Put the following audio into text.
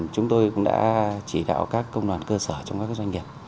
chúng tôi cũng đã chỉ đạo các công đoàn cơ sở trong các doanh nghiệp